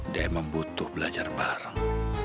dia membutuh belajar bareng